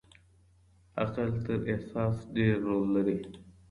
عقل تر احساس ډېر رول لري.